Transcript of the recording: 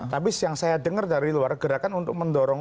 tapi yang saya dengar dari luar gerakan untuk mendorong